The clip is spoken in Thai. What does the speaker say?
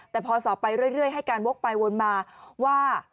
แต่พอสอบไปเรื่อยให้การวกไปวนมาว่า